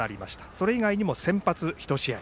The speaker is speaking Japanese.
それ以外にも先発が１試合。